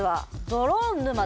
「ドローン沼」。